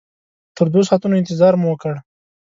تر دوو ساعتونو انتظار مو وکړ.